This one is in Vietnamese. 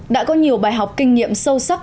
đã có nhiều bài học kinh nghiệm sâu sắc